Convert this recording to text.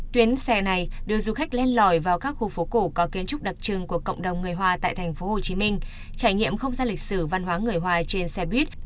tuyến xe này đưa du khách lên lòi vào các khu phố cổ có kiến trúc đặc trưng của cộng đồng người hoa tại thành phố hồ chí minh trải nghiệm không gian lịch sử văn hóa người hoa trên xe buýt